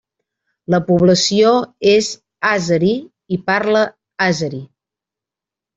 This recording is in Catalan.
La població és àzeri i parla àzeri.